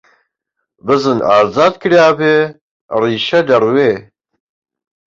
بزن ئازاد کرابێ، ڕیشە دەڕوێ!